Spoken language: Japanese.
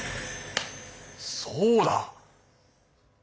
そうだ！